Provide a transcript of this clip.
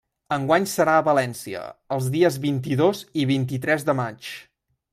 Enguany serà a València, els dies vint-i-dos i vint-i-tres de maig.